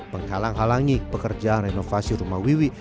menghalang halangi pekerjaan renovasi rumah wiwi